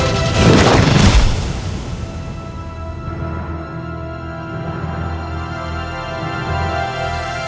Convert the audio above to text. masih bisa banyak bicara